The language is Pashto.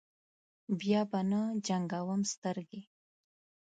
بیا به نه جنګوم سترګې.